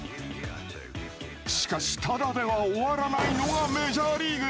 しかし、ただでは終わらないのがメジャーリーグ。